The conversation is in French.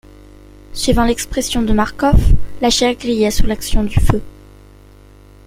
Suivant l'expression de Marcof, la chair grillait sous l'action du feu.